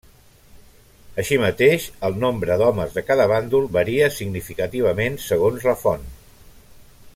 Així mateix, el nombre d'homes de cada bàndol varia significativament segons la font.